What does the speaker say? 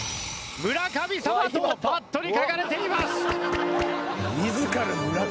「村神様」とバットに書かれています！